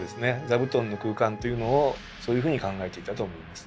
座布団の空間というのをそういうふうに考えていたと思います。